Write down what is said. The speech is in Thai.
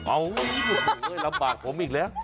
เอาลำบากผมอีกแล้ว